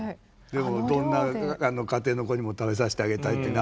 どんな家庭の子にも食べさせてあげたいってね